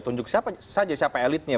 tunjuk siapa saja siapa elitnya